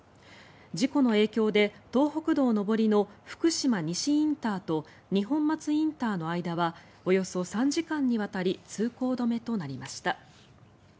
事故の影響で、東北道上りの福島西ＩＣと二本松ＩＣの間はおよそ３時間にわたり通行止めとなりました。